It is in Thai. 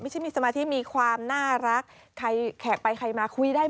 จะทำอะไรดีมากอยากไปอยู่ด้วย